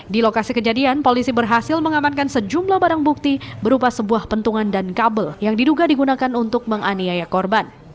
di lokasi kejadian polisi berhasil mengamankan sejumlah barang bukti berupa sebuah pentungan dan kabel yang diduga digunakan untuk menganiaya korban